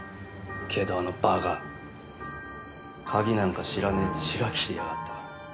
けどあのバカ鍵なんか知らねえってシラ切りやがった。